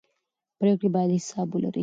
پرېکړې باید حساب ولري